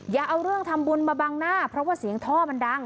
อย่าเอาเรื่องทำบุญมาบังหน้าเพราะว่าเสียงท่อมันดัง